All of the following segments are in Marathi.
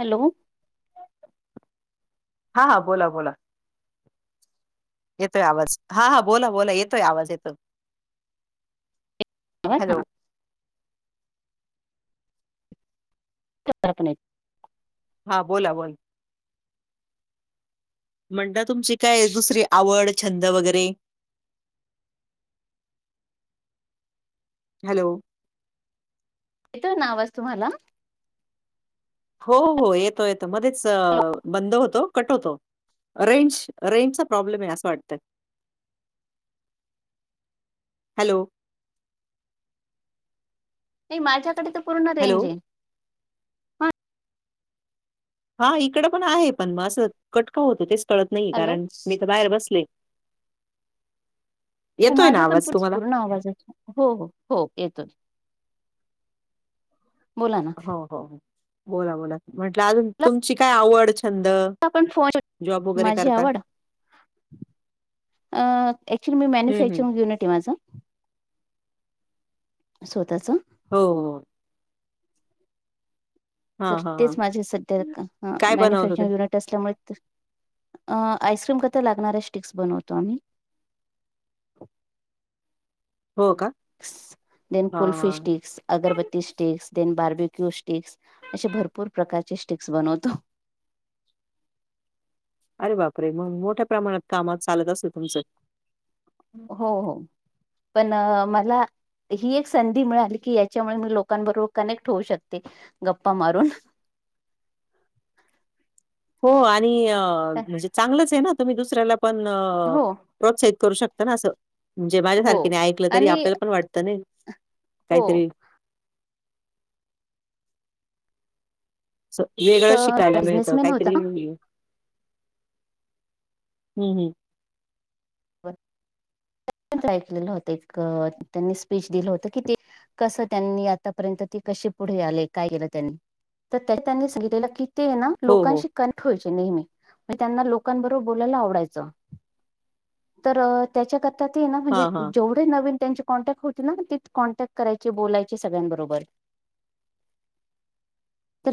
हॅलो हा हा, बोला बोला येतोय आवाज, हा हा बोला बोला येतोय आवाज येतोय. [inaudible] [inaudible] [inaudible] हा बोला बोला. म्हणलं, तुमची काय दुसरी आवड छंद वगैरे? हॅलो येतोय ना आवाज तुम्हाला? हो हो, येतो येतो मध्येच अ बंद होतो, कट होतो. रेंज, रेंजचा प्रॉब्लेम आहे असं वाटतय. हॅलो नाही, माझ्याकडे तर पूर्ण हॅलो रेंज आहे. हा हा इकडं पण आहे पण मग असं कट का होतो तेच कळत नाहीये, हॅलो कारण मी तर बाहेर बसले. हो, येतोय ना माझा पण आवाज पू तुम्हाला पूर्ण आवाज येतो. हो हो हो येेतोय. हो हो बोला बोला म्हटलं अजून तुमची काय आवड, छंद? आपण फोन जॉब [inaudible] वगैरे माझी करता आवड अ ऍक्च्युली, मी हम्म हम्म मॅन्युफॅक्चरिंग युनिट आहे माझ स्वतःच हो हो हा तर हा हा तेच माझे सध्या अ काय बनवलं ते मॅन्यूफॅक्चरिंग युनिट असल्यामुळे, अ आईसक्रीम करता लागणाऱ्या स्टिक्स बनवतो आम्ही. हो का देन हा kulfi sticks, agarbatti sticks, then barbecue स्टी स्टिक्स, असे भरपूर प्रकारचे स्टिक्स बनवतो. अरे बापरे मंग, मोठ्या प्रमाणात काम चालत असतील तुमच. हो हो पण मला ही एक संधी मिळाली की, याच्यामुळे मी लोकांबरोबर कनेक्ट होऊ शकते गप्पा मारून. हो आणि अ म्हणजे चांगलच ये ना तुम्ही दुसऱ्याला पण अ हो प्रोत्साहित करू शकत ना असं, म्हणजे हो माझ्यासारखीनी ऐकलं तरी आणि आपल्याला पण वाटत नाही हो कायतरी अस एक वेगळं अ, शिकायला मिळत, बिझनेसमॅन होता कायतरी हम्म हम्म ट्राय केलेलं होत एक अ त्यांनी स्पीच दिलं होत कि ते कस त्यांनी आतापर्यत ते कशी पुढे आले काय केलं त्यांनी, तर त्यांनी सांगितलेलं कि, ते ना हो हो लोकांशी कनेक्ट व्हायचे नेहमी. म त्यांना लोकांबरोबर बोलायला आवडायचं. तर त्याच्याकरता ते ना म्हणजे हां हां जेव नवीन त्यांची कॉन्टॅक्ट होती ना, ते कॉन्टॅक्ट करायचे, बोलायचे सगळ्यांबरोबर.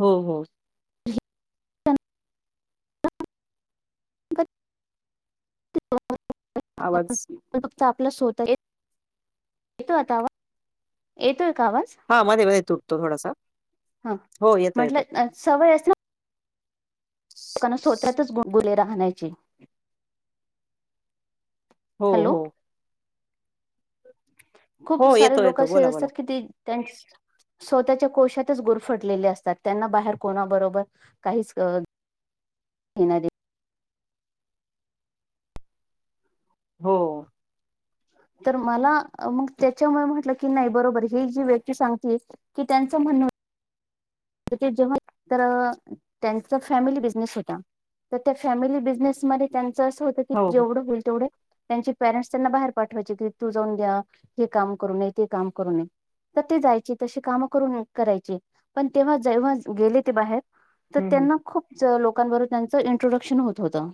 हो हो. पण गत आवाज ते फक्त आपला स्वतः येत, येतो आता आवाज? येतोय का आवाज? हा मध्ये मध्ये तुटतो थोडासा, हा हो येतो म्हटलं येतो. अ, सवय असते ना, कान सोतातच गुदगुले राहण्याचे हो हॅलो हो. खूप हो सारे येतो लोक येतो असे बोला बोला असतात की, ते त्यांस स्वतःच्या कोशातच गुरफटलेले असतात. त्यांना बाहेर कोणाबरोबर काहीच हेना देन हो. तर मला मग त्याच्यामुळे म्हटलं की नाही, बरोबर हे जी व्यक्ती सांगते. की त्यांचं म्हणण हो तिथे जेव्हा तर त्यांचा फॅमिली बिझनेस होता. त त्या फॅमिली बिझनेसमध्ये त्यांच असं होतं की, हो हो जेवढं होईल तेवढं त्यांची पेरेंट्स त्यांना बाहेर पाठवायचे. की तू जाऊन घ्या. हे काम करून ये. ते काम करून ये. त ते जायचे. तशी कामं करून करायचे. पण तेव्हा जेव्हा गेले ते बाहेर तर हम्म त्यांना खूप च लोकांबरोबर त्यांचं इंट्रोडक्शन होत होतं.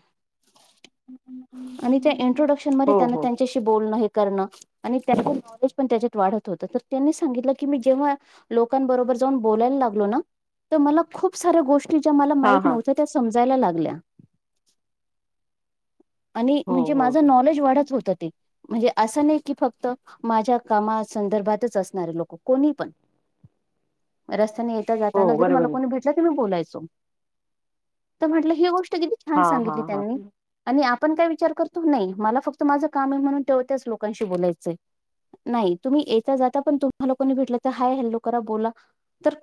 आणि त्या हम्म इंट्रोडक्शन मध्ये हो त्यांन हो त्यांच्याशी बोलणं हे करणं आणि त्यां नॉलेज पण त्याच्यात वाढत होतं. तर त्यांनी सांगितलं की मी जेव्हा लोकांबरोबर जाऊन बोलायला लागलो ना, तर मला खूप साऱ्या गोष्टी ज्या मला हां, माहित हां. नव्हत्या त्या समजायला लागल्या. आणि हो, म्हणजे हो, माझ हो. नॉलेज वाढत होत ते. म्हणजे असं नाही की फक्त माझ्या कामा संदर्भातच असणारे लोक कोणी पण, रस्त्याने जाताना हो, जरी मला बरोबर आहे. कोणी भेटलं तर मी बोलायचो. तर म्हटलं ही गोष्ट किती छान हां, सांगितली हां, हां. त्यांनी. आणि आपण काय विचार करतो. नाही मला फक्त माझं काम आहे म्हणून ठेवतच लोक लोकांशी बोलायचय, नाही तुम्ही येता जाता पण तुम्हांला कोणी भेटलं त हाय हल्लो करा बोला तर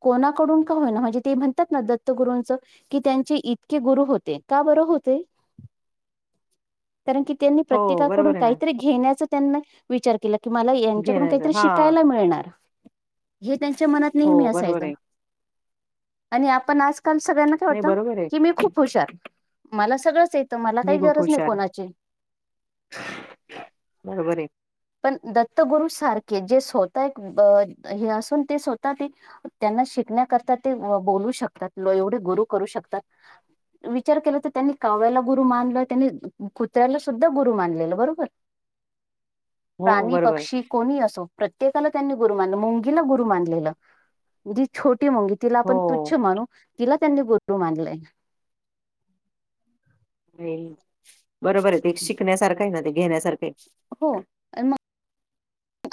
कोणाकडून का होय ना म्हणजे ते म्हणतात ना, दत्तगुरूचं कि त्यांचे इतके गुरु होते. का बरं होते? [inaudible] कारण की, त्यांनी हो, प्रत्येकाकडून बरोबर आहे ना. काहीतरी घेण्याचा त्यांना विचार केला. कि मला यांच्याकडून घेण्याचं काहीतरी हां. शिकायला मिळणार. हे त्यांच्या मनात नेहमी हो, असायचं. बरोबर आहे. आणि आपण आजकाल सगळ्यांना काय नाही, वाटतं. बरोबर आहे. की मी खूप हुशार मला सगळंच ये त मला काही मी खूप गरज नाही हुशार. कोणाची. बरोबर आहे. पण दत्तगुरू सारखे जे स्वतः अ असून ते स्वतः ते त्यांना शिकण्याकरता ते बोलू शकतात. एवढे गुरु करू शकतात. विचार केला त त्यांनी काव्याला गुरु मानलं. त्यांनी कुत्र्याला सुद्धा गुरु मानलेलं बरोबर. [inaudible] हो, प्राणी, बरोबर. आहे. पक्षी कोणी असो प्रत्येकाला त्यांनी गुरु मानलं मुंगीला गुरु मानलेलंय. जी छोटी मुंगी, तिला आपण तुच्छ हो. मानू, तिला त्यांनी गुरु मानलंय. व्हयं. बरोबर आहे. ते शिकण्यासारखं आहे ना, ते घेण्यासारखं आहे. हो आणि मग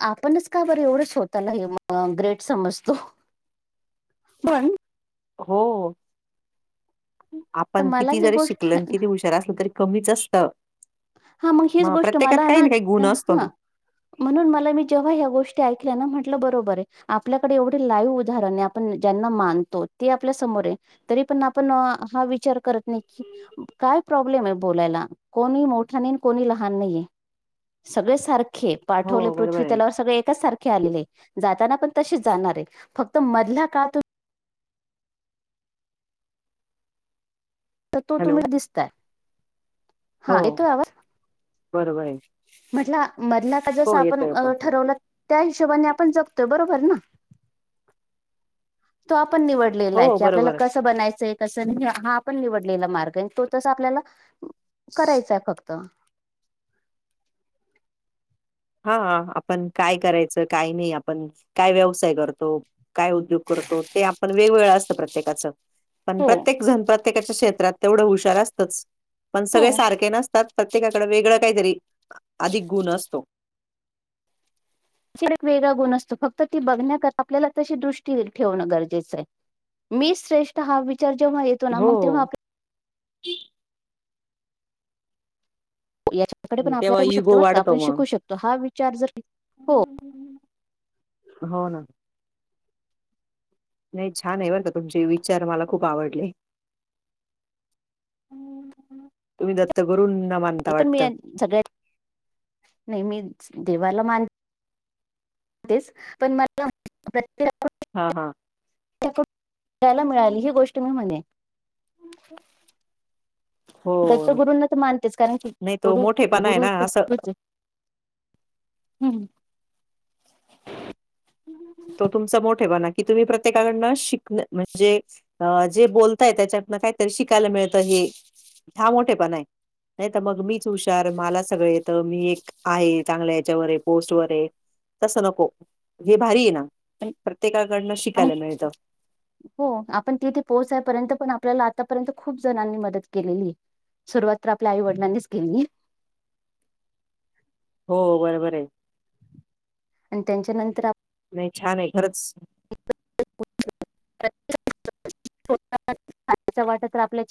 आपणच का बरं एवढं स्वतःला ग्रेट हे हमजतो [inaudible] पण हो. [inaudible] तर आपण मला किती ही जरी गोष्ट शिकल, किती हुशार असलं तरी कमीच अस त. हा मग हीच गोष्ट मला ना, गुण असतो ना. हा म्हणून मला मी जेव्हा ह्या गोष्टी ऐकल्या ना, म्हटलं बरोबर आहे. आपल्याकडे एवढे लाईव्ह उदाहरण आहे, आपण ज्यांना मानतो ते आपल्या समोर आहे. तरी पण आपण हा विचार करत नाही की, काय प्रॉब्लेम आहे बोलायला? कोणी मोठ मोठं नाही, कोणी लहान नाहीे. सगळे सारखे पाठवले हो, बरोबर पृथ्वी आहे. तलावर सगळे एकाच सारखे आलेले आहे. जाताना पण तशीच जाणार आहे. फक्त मधला काळ तूम्ही तर तो हॅलो. तुम्ही दिसताय. [inaudible] हो. बरोबर आहे. म्हटलं मधला का जस हो, आपण येतोय. अं ठरवलं, त्या हिशोबाने आपण जगतोय. बरोबर ना? तो आपण निवडलेला आहे हो, की, बरोबर. आपल्याला कस बनायचंय, कस नाही? हा आपण निवडलेला मार्ग आहे. तो तस आपल्याला करायचाय फक्त हा. आपण काय करायचं, काय नाही. आपण काय व्यवसाय करतो? काय उद्योग करतो? ते आपण वेगवेगळं असतं प्रत्येकाचं. पण हो प्रत्येक जण प्रत्येकाच्या क्षेत्रात तेवढं हुशार असतंच. पण सगळे सारखे नस तात. प्रत्येकाकडं वेगळं काहीतरी, अधिक गुण असतो. एक वेगळा गुण असतो फक्त, फक्त ती बघण्याकरता आपल्याला तशी दृष्टी एक ठेवणं गरजेचं आहे. मी श्रेष्ठ हा विचार जेव्हा येतो ना, मग तेव्हा हो. आप याच्याकडे पण आणि आपल्याला तेव्हा काही मिळू शकतं इगो बर का, वाढतो आपण मग. शिकू शकतो. हा विचार जर हो हो ना. नाही छान आहे बरं का, तुमचे विचार मला खूप आवडले. [inaudible] तुम्ही दत्त गुरूंना मान [unintelligible] नाही मी देवाला मानते [unintelligible] हा हा. [unintelligible] मिळाली ही गोष्ट मी म्हणून दत्त हो, गुरूंना तर मानतेच, कारण की नाही तो गुरु, मोठेपणा आहे गुरू ना तर असं तेचये. [inaudible] हम्म. [inaudible] तो तुमचा मोठे पणा, कि तुम्ही प्रत्येकाकडणं शिकणं म्हणजे अ जे बोलताय त्याच्यातनं काहीतरी शिकायला मिळतं हे, हा मोठेपणा आहे. नाही तर मग मीच हुशार, मला सगळं येत, मी एक आहे, चांगल्या याच्यावरये पोस्ट वरये. तसं नको. हे भारी आहे ना. प्रत्येकाकडनं शिकायला मिळतं [unintelligible] हो, आपण तिथे पोहोचायपर्यंत पण आपल्याला आतापर्यंत खूप जणांनी मदत केलेलीये. सुरुवात तर आपल्या आई वडिलांनीच केलेलीय. हो, बरोबर आहे. आण त्यांच्यानंतर आप नाही छान आहे, खरंच. [inaudible] वाटत आपल्या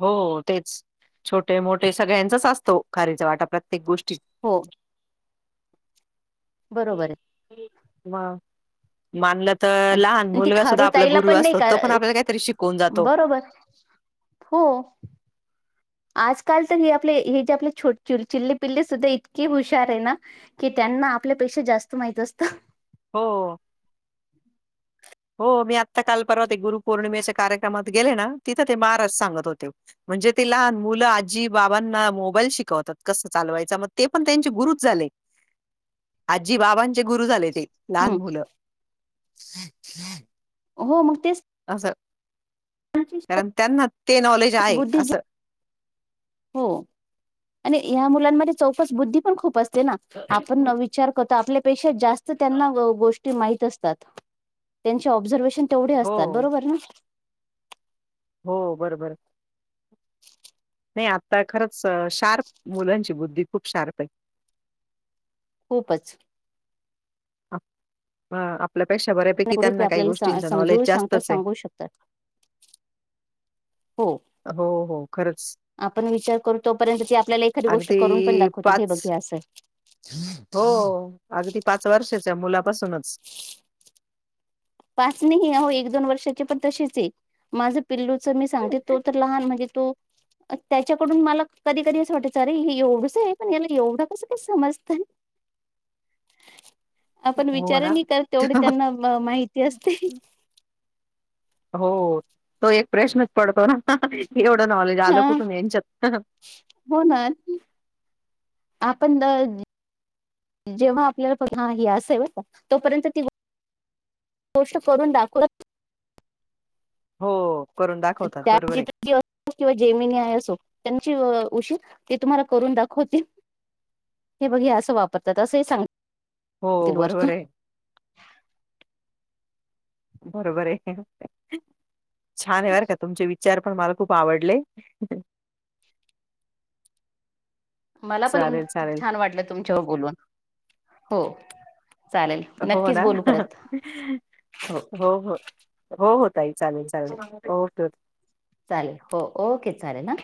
हो तेच, छोटे-मोठे सगळ्यांचाच असतो खारीेचा वाटा प्रत्येक गोष्टीत. हो. बरोबर मग. मानलं तर आहे लहान आणि ती मुलगा सुद्धा खारू आपला ताईला गुरु पण नाही असतो, का तो पण आपल्याला काहीतरी शिकवून जातो. बरोबर हो. आजकाल तर, हे आपले हे जे आपले छोट चिल्ले-पिल्ले सुद्धा इतके हुशार आहे ना की त्यांना आपल्यापेक्षा जास्त माहित असतं. हो. हो. मी आत्ता काल परवा एक गुरु पौर्णिमेच्या कार्यक्रमात गेले ना, तिथं ते महाराज सांगत होते. म्हणजे ते लहान मुलं आजी-बाबांना मोबाईल शिकवतात कसं चालवायचं मग ते पण त्यांचे गुरूचं झाले. आजी-बाबांचे गुरु झाले ते. लहान हम्म मुलं. हो, मग तेच असं. कारण त्यांना ते नॉलेज आहे, बुद्धी असं. हो, आणि या मुलांमध्ये चौकस बुद्धी पण खूप असते ना आपण नवी चार करतो आपल्या पेक्षा जास्त त्यांना गोष्टी माहित असतात. त्यांची ऑब्सर्वेशन तेवढे असतात, हो, बरोबर ना? हो, बरोबरं. नाही आता खरंच शार्प, मुलांची बुद्धी खूप शार्प आहे. खूपचं. आपल्यापेक्षा बऱ्यापैकी त्यांना काही गोष्टींचं नॉलेज जास्तचं आहे. असु शकतात. हो हो हो. हो खरंच. आपण विचार करू तोपर्यंत ती आपल्याला एखादी गोष्ट करून पण अगदी दाखवते हे बघ असं हाय. हो. अगदी पाच वर्षाच्या मुलापासूनच. पाच नाही ओ एक-दोन वर्षाची पण तशीच आहे. माझं पिल्लूच मी सांगते तो तर लहान म्हणजे तो त्याच्याकडून मला कधी कधी असं वाटायचं हे एवढंच आहे पण याला एवढं कसं काय समजतं. [inaudible] आपण हो विचार ना. नाही कर तेवढे त्यांना माहित हो तो एक प्रश्नच पडतो ना. एवढं नॉलेज हा आलं कुठून यांच्यात? हो ना. आपण जेव्हा आपल्याला पन ह असेव तोपर्यंत ती गोष्ट करून दाखव हो. करून त्या दाखवतात चॅट बरोबर आहे जीपीटी असो किंवा जेमिनी आहे असो त्यांची उशीर ते तुम्हाला करून दाखवतील. हे बघ असं वापरतात असं सांग. हो बरोबर आहे. बरोबर आहे. छान आहे बर का तुमचे वि विचार पण मला खूप आवडले. मला पण चालेल चालेल. छान वाटलं तुमच्यावर बोलून हो, चालेल हो नक्कीच ना, बोलू परत हो हो हो हो ताई चालेल चालेल हो, ओके-ओके चालेल हो ओके चालेल ना,